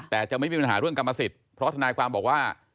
แต่จะไม่มีปัญหาเรื่องกรรมสิทธิ์เพราะทนายความบอกว่า